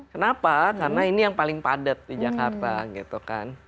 kenapa karena ini yang paling padat di jakarta gitu kan